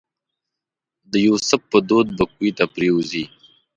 د یوسف په دود به کوهي ته پرېوځي.